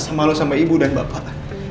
saya jadi merasa malu sama ibu dan bapak